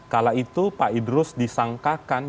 kala itu pak idrus disangkakan